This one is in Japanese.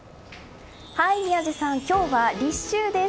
宮司さん、今日は立秋です。